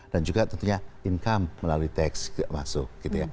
dan juga tentunya income melalui tax tidak masuk